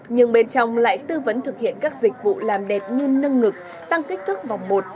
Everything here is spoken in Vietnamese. nhưng bên trong lại tư vấn thực hiện các dịch vụ làm đẹp như nâng ngực tăng kích thước vòng một